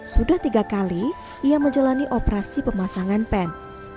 sudah tiga kali ia menjalani operasi pemasangan pen